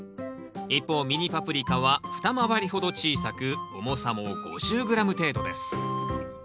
一方ミニパプリカは二回りほど小さく重さも５０ｇ程度です。